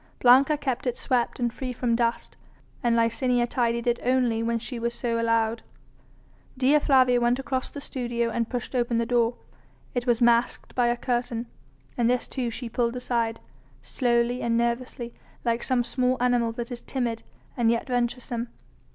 Blanca kept it swept and free from dust, and Licinia tidied it only when she was so allowed. Dea Flavia went across the studio and pushed open the door. It was masked by a curtain, and this too she pulled aside, slowly and nervously like some small animal that is timid and yet venturesome.